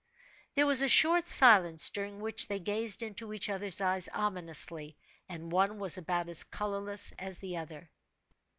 There was a short silence, during which they gazed into each other's eyes ominously, and one was about as colorless as the other.